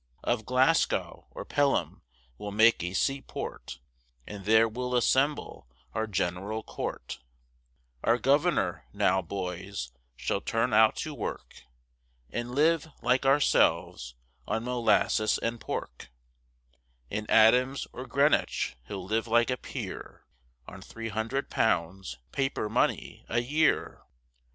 Of Glasgow or Pelham we'll make a seaport, And there we'll assemble our General Court: Our governor, now, boys, shall turn out to work, And live, like ourselves, on molasses and pork; In Adams or Greenwich he'll live like a peer On three hundred pounds, paper money, a year.